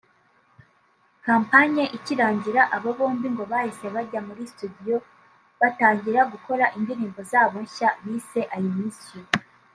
Kampanye ikirangira aba bombi ngo bahise bajya muri studio batangira gukora indirimbo yabo nshya bise ‘I miss you”